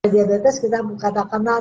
diabetes kita bukan kenal